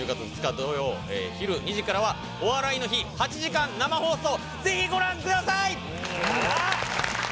土曜昼２時からは「お笑いの日」８時間生放送ぜひご覧ください！